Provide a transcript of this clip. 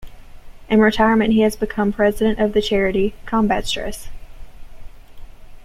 In retirement he has become President of the charity "Combat Stress".